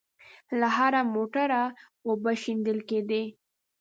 له هره موټره اوبه شېندل کېدې.